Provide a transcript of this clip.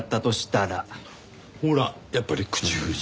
ほらやっぱり口封じ。